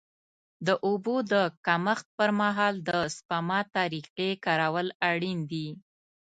د اوبو د کمښت پر مهال د سپما طریقې کارول اړین دي.